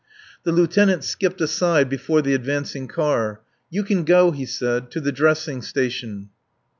The lieutenant skipped aside before the advancing car. "You can go," he said, "to the dressing station."